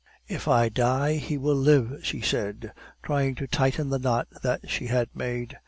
"If I die, he will live," she said, trying to tighten the knot that she had made.